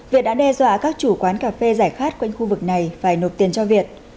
việt đã đe dọa các chủ quán cà phê giải khát quanh khu vực này phải nộp tiền cho việt